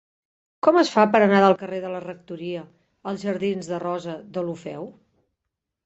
Com es fa per anar del carrer de la Rectoria als jardins de Rosa Deulofeu?